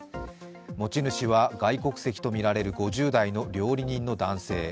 持ち主は外国籍とみられる５０代の料理人の男性。